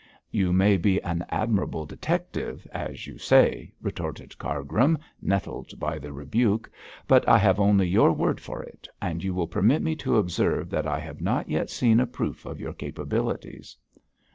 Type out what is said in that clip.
'You may be an admirable detective, as you say,' retorted Cargrim, nettled by the rebuke, 'but I have only your word for it; and you will permit me to observe that I have not yet seen a proof of your capabilities.'